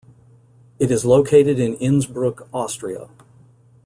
It is located in Innsbruck, Austria.